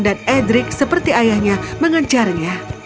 dan edric seperti ayahnya mengejarnya